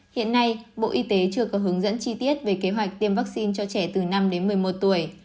hiện nay bộ y tế chưa có hướng dẫn chi tiết về kế hoạch tiêm vaccine cho trẻ từ năm đến một mươi một tuổi